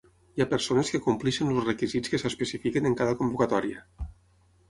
Hi ha persones que compleixen els requisits que s'especifiquen en cada convocatòria.